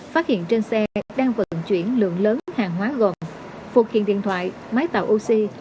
phát hiện trên xe đang vận chuyển lượng lớn hàng hóa gồm phụ kiện điện thoại máy tạo oxy